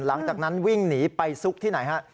หลังจากนั้นวิ่งหนีไปซุกที่ไหนฮะ